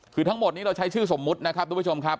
คือทั้งหมดนี้เราใช้ชื่อสมมุตินะครับทุกผู้ชมครับ